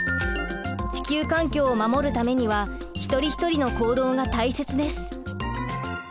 地球環境を守るためには一人一人の行動が大切です。